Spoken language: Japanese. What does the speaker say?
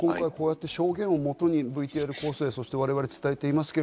証言をもとにＶＴＲ構成、我々、伝えています。